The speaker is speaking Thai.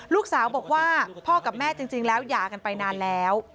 ลูกสาวบอกว่าพ่อกับแม่จริงแล้วหย่ากันไปนานแล้ว